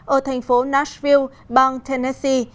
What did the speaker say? ở thành phố nashville bang tennessee